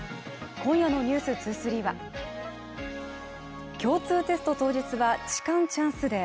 今夜の「ｎｅｗｓ２３」は共通テスト当日は痴漢チャンスデー